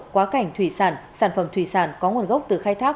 quá cảnh thủy sản sản phẩm thủy sản có nguồn gốc từ khai thác